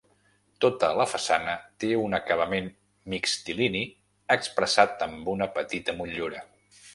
Tota la façana té un acabament mixtilini expressat amb una petita motllura.